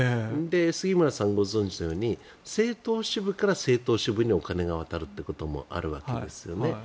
杉村さん、ご存じのように政党支部から政党支部にお金が渡るっていうこともあるわけですよね。